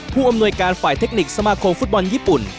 ผู้อำนวยการฝ่ายเทคนิคสมาคมฟุตบอลญี่ปุ่น